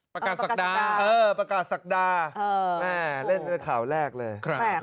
ประกาศสักดาประกาศสักดาเล่นข่าวแรกเลย